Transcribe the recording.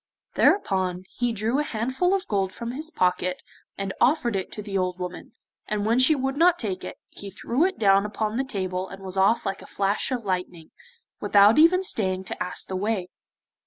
Thereupon he drew a handful of gold from his pocket, and offered it to the old woman, and when she would not take it, he threw it down upon the table and was off like a flash of lightning, without even staying to ask the way.